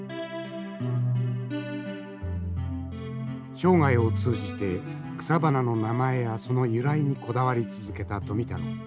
生涯を通じて草花の名前やその由来にこだわり続けた富太郎。